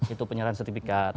itu penyerahan sertifikat